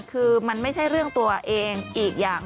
คือมันไม่ใช่เรื่องตัวเองอีกอย่าง